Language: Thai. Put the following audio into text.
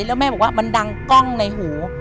แล้วแม่บอกว่ามันดังกล้องในหู